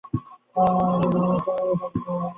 তাই কখন বাচ্চা প্রসব করছে, তা নিশ্চিতভাবে বলা যায় না।